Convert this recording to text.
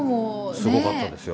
すごかったですよ。